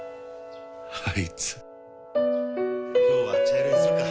あいつ・・・今日は茶色にするか！